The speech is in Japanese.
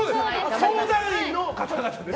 相談員の方々です！